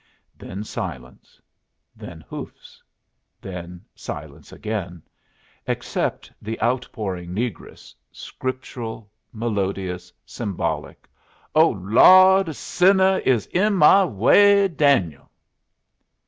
Then silence; then hoofs; then silence again, except the outpouring negress, scriptural, melodious, symbolic: "'Oh Lawd! Sinner is in my way, Daniel.'"